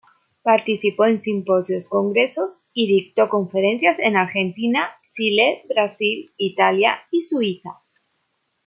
Participó en simposios, congresos y dictó conferencias en Argentina, Chile, Brasil, Italia y Suiza.